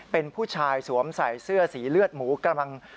เป็นผู้ชายสวมใส่เสื้อสีเลือดหมูกำลัง